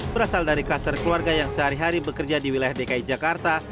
berasal dari kluster keluarga yang sehari hari bekerja di wilayah dki jakarta